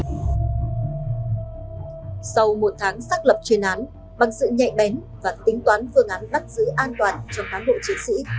sau một tháng xác lập chuyên án bằng sự nhạy bén và tính toán phương án bắt giữ an toàn cho cán bộ chiến sĩ